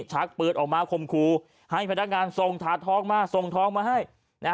ชักเปลือกออกมาคมครูให้พนักงานทางท้องมาเซ้น